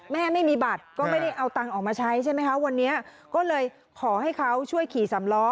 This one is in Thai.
ไม่มีบัตรก็ไม่ได้เอาตังค์ออกมาใช้ใช่ไหมคะวันนี้ก็เลยขอให้เขาช่วยขี่สำล้อ